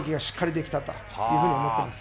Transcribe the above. できたというふうに思っています。